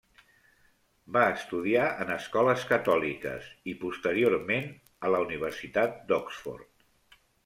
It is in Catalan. Va estudiar en escoles catòliques i posteriorment a la Universitat d'Oxford.